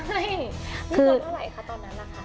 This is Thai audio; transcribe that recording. ใช่นี่ตัวเท่าไหร่คะตอนนั้นล่ะคะ